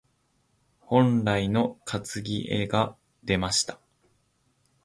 本来の担ぎ技が出ました。